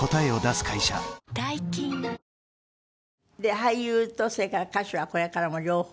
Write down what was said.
俳優とそれから歌手はこれからも両方？